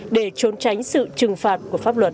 để trốn tránh sự trừng phạt của pháp luật